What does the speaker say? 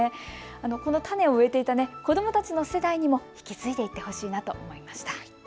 この種を植えていた子どもたちの世代にも引き継いでいってほしいなと思いました。